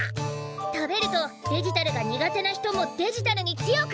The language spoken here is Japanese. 食べるとデジタルが苦手な人もデジタルに強くなる。